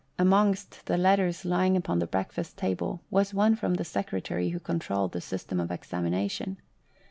Amongst the letters lying upon the breakfast table was one from the secretary who controlled the system of examination.